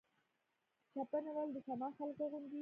چپنې ولې د شمال خلک اغوندي؟